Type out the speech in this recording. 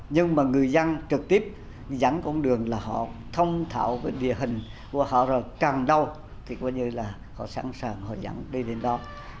nhưng mà người dân trực tiếp dẫn con đường là họ thông thạo cái địa hình của họ rồi càng đâu thì coi như là họ sẵn sàng họ dẫn đi đến đó